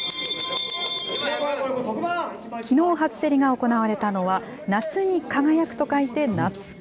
きのう初競りが行われたのは、夏に輝くと書いて、なつき。